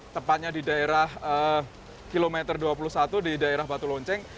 tepatnya di daerah kilometer dua puluh satu di daerah batu lonceng